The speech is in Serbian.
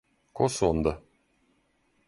Ко су онда?